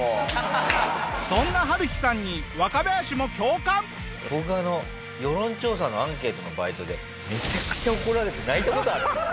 そんなハルヒさんに僕あの世論調査のアンケートのバイトでめちゃくちゃ怒られて泣いた事ある。